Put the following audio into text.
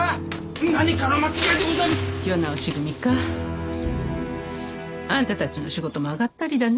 何かの間違いでございます世直し組かあんたたちの仕事も上がったりだね